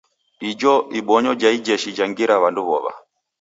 Ijo ibonyo ja ijeshi jengira w'andu w'ow'a.